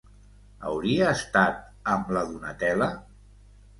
Hauria estat amb la Donatella?